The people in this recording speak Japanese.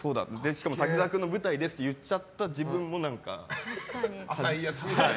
しかも滝沢君の舞台ですって言っちゃった自分もなんか。